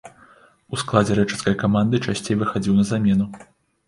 У складзе рэчыцкай каманды часцей выхадзіў на замену.